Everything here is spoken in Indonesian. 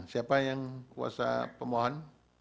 siapa yang kuasa pemohon